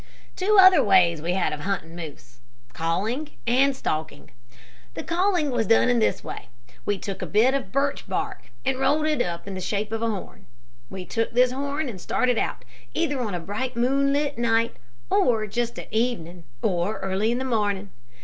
"Two other ways we had of hunting moose: Calling and stalking. The calling was done in this way: We took a bit of birch bark and rolled it up in the shape of a horn. We took this horn and started out, either on a bright moonlight night or just at evening, or early in the morning.